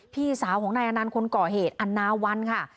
พี่สาวของนายอนันต์คนก่อเหตุอันนาวันค่ะ